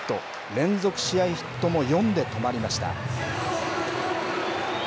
連続試合ヒットも４で止まりました。